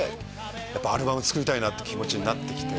やっぱアルバム作りたいなって気持ちになってきて。